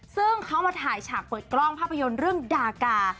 ซึ่งเขามาถ่ายฉากเปิดกล้องภาพยนตร์เรื่องดากา